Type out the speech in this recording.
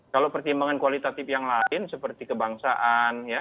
kalau pertimbangan kualitatif yang lain seperti kebangsaan